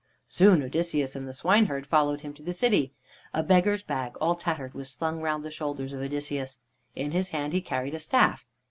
Soon Odysseus and the swineherd followed him to the city. A beggar's bag, all tattered, was slung round the shoulders of Odysseus. In his hand he carried a staff.